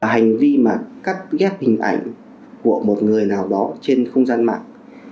hành vi mà cắt ghép hình ảnh của một người nào đó trên không gian mạng